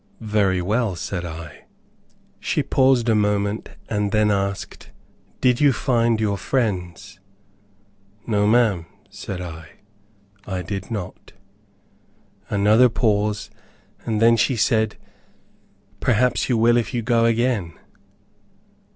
"Very well," said I. She paused a moment, and then asked, "Did you find your friends?" "No, ma'am," said I, "I did not." Another pause, and then she said, "Perhaps you will if you go again."